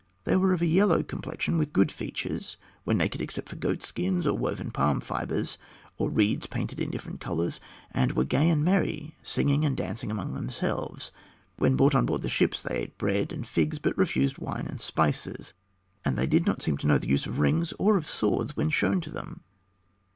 They were of a yellow complexion, with good features, were naked except for goat skins or woven palm fibres, or reeds painted in different colors; and were gay and merry, singing and dancing among themselves. When brought on board the ships, they ate bread and figs, but refused wine and spices; and they seemed not to know the use of rings or of swords, when shown to them.